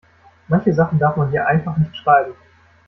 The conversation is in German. Manche Sachen darf man hier einfach nicht schreiben.